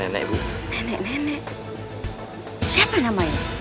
nenek nenek siapa namanya